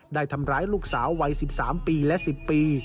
ได้ทำร้ายลูกสาววัย๑๓ปีและ๑๐ปี